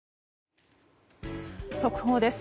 速報です。